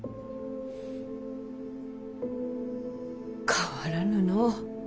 変わらぬの。